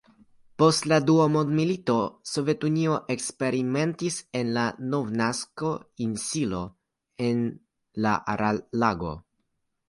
Post la dua mondmilito, la Sovetunio eksperimentis en la Novnasko-insilo en la Aral-lago.